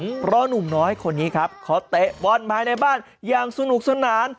เพราะหนุ่มน้อยคนนี้ครับเขาเตะบอลภายในบ้านอย่างสนุกสนาน